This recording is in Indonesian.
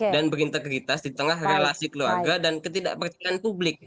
dan berintegritas di tengah relasi keluarga dan ketidakpercayaan publik